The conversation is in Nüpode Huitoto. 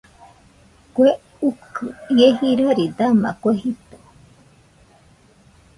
Kue ukɨ ie jirari dama kue jito.